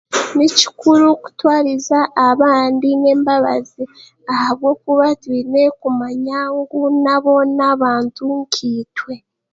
Ni kikuru kutwariza abandi n'embabazi ahabwokuba twine kumanya ngu nabo n'abantu nka itwe